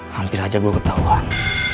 hampir aja gua ketauan